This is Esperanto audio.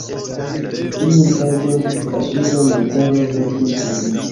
Iun tagon la suda najbaro vokis min.